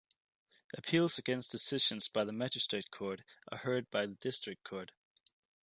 Appeals against decisions by the Magistrates Court are heard by the District Court.